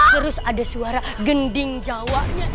terus ada suara gending jawanya